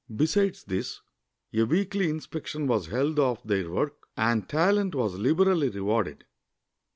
Besides this, a weekly inspection was held of their work, and talent was liberally rewarded.